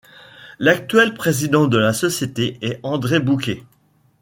L'actuel président de la société est André Bouquet.